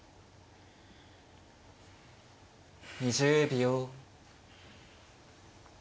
２０秒。